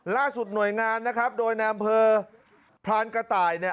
ล่าสุดหน่วยงานนะครับโดยนามเภอพลานกระไต่เนี่ย